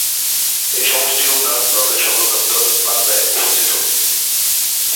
এই সমষ্টি উন্নয়ন ব্লকের সদর দফতর বাগদায় অবস্থিত।